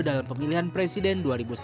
dalam pemilihan presiden dua ribu sembilan belas